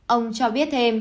ông cho biết